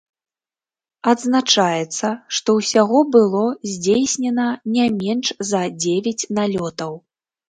Адзначаецца, што ўсяго было здзейснена не менш за дзевяць налётаў.